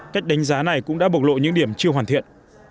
cách đánh giá này cũng đã bộc lộ những điểm chưa hoàn thiện